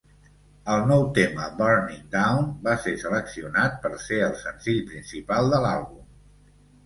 El nou tema "Burning Down" va ser seleccionat per ser el senzill principal de l'àlbum.